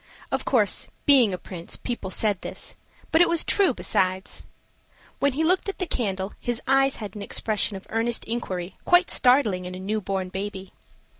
Of course, being a prince, people said this; but it was true besides. When he looked at the candle, his eyes had an expression of earnest inquiry quite startling in a new born baby.